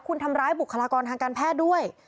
คุณทำร้ายบุคลากรทางการแพทย์ด้วย